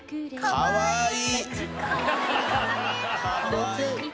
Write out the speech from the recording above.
かわいい。